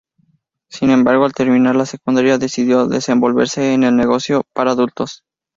Sin embargo, al terminar la secundaria, decidió desenvolverse en el negocio para adultos.